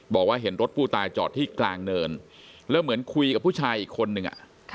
บอกว่าเห็นรถผู้ตายจอดที่กลางเนินแล้วเหมือนคุยกับผู้ชายอีกคนนึง